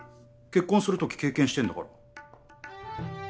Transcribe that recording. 結婚するとき経験してんだから。